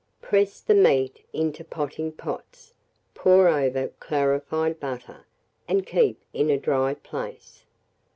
Press the meat into potting pots, pour over clarified butter, and keep in a dry place.